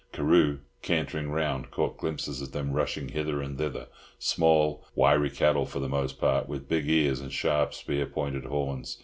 Carew, cantering round, caught glimpses of them rushing hither and thither—small, wiry cattle for the most part, with big ears and sharp, spear pointed horns.